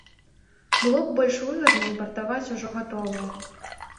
Было б больш выгадна імпартаваць ужо гатовае.